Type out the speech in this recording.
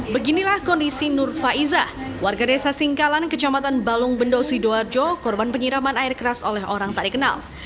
beginilah kondisi nur faiza warga desa singkalan kecamatan balung bendo sidoarjo korban penyiraman air keras oleh orang tak dikenal